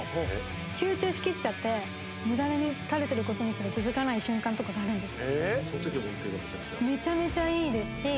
集中しきっちゃってヨダレ垂れてることにすら気付かない瞬間とかがあるんです。